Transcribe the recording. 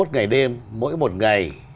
tám mươi một ngày đêm mỗi một ngày